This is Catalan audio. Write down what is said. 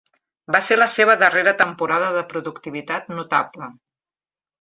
Va ser la seva darrera temporada de productivitat notable.